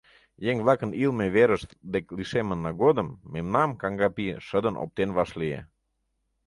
Еҥ-влакын илыме верышт дек лишеммына годым мемнам каҥга пий шыдын оптен вашлие.